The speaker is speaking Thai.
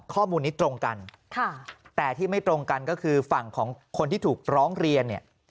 ข้อมูลนี้ตรงกันแต่ที่ไม่ตรงกันก็คือฝั่งของคนที่ถูกร้องเรียนเนี่ย